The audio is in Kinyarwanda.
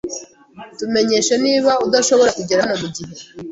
Tumenyeshe niba udashobora kugera hano mugihe.